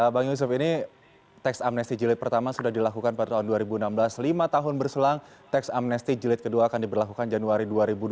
bang yusuf ini teks amnesti jilid pertama sudah dilakukan pada tahun dua ribu enam belas lima tahun berselang teks amnesti jilid kedua akan diberlakukan januari dua ribu dua puluh